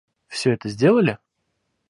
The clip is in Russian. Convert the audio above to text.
Всё это сделали?